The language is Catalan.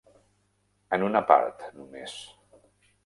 En una part només.